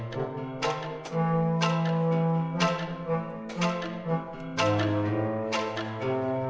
tasik tasik tasik